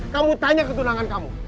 kamu tanya ketunangan kamu